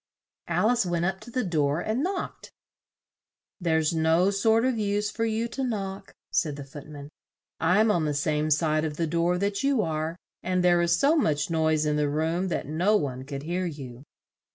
Al ice went up to the door and knocked. "There's no sort of use for you to knock," said the Foot man, "I'm on the same side of the door that you are, and there is so much noise in the room that no one could hear you."